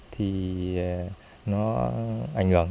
thì nó ảnh hưởng